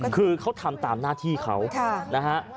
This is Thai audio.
คือเขาทำตามหน้าที่เขานะฮะ